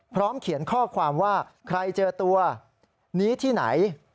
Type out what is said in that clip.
พร้อมเขียนข้อความว่าใครเจอตัวนี้ที่ไหน